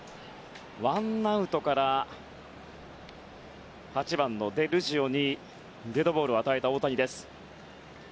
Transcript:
ワンアウトから８番のデルジオにデッドボールを与えた大谷です。